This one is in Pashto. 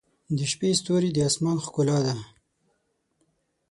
• د شپې ستوري د آسمان ښکلا ده.